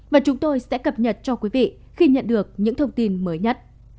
và chúng tôi sẽ cập nhật cho quý vị khi nhận được những thông tin mới nhất